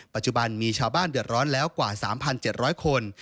ปัจจุบันมีชาวบ้านเดือดร้อนแล้วกว่า๓๗๐๐คน